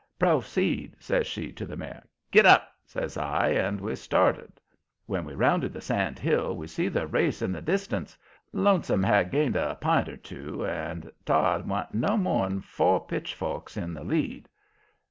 "Proceed," says she to the mare. "Git dap!" says I, and we started. When we rounded the sand hill we see the race in the distance. Lonesome had gained a p'int or two, and Todd wa'n't more'n four pitchforks in the lead.